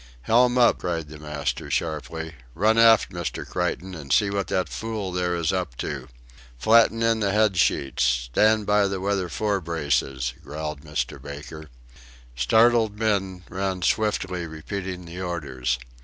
"Helm up!" cried the master, sharply. "Run aft, Mr. Creighton, and see what that fool there is up to." "Flatten in the head sheets. Stand by the weather fore braces," growled Mr. Baker. Startled men ran swiftly repeating the orders.